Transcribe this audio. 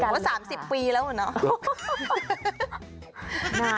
โอ้โหสามสิบปีแล้วเหรอเนาะ